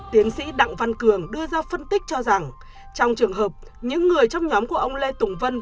tiến sĩ đặng văn cường đưa ra phân tích cho rằng trong trường hợp những người trong nhóm của ông lê tùng vân